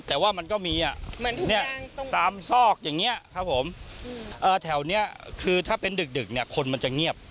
แต่ว่ามันก็มีตามซอกอย่างนี้ครับผมแถวนี้คือถ้าเป็นดึกเนี่ยคนมันจะเงียบ